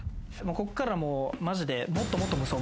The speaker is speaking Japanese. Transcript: こっからマジで。